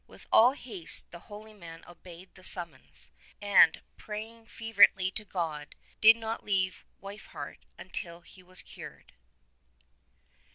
With all haste the holy man obeyed the summons, and, praying fervently to God, did not leave Weifhardt until he was cured.